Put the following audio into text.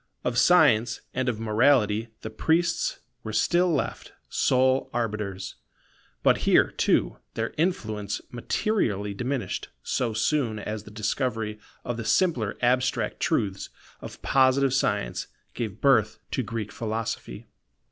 Of science and of morality the priests were still left sole arbiters; but here, too, their influence materially diminished so soon as the discovery of the simpler abstract truths of Positive science gave birth to Greek Philosophy.